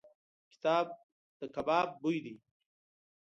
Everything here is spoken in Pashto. د کباب بوی دی .